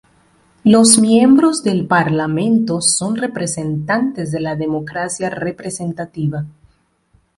Los miembros del Parlamento son representantes de la democracia representativa.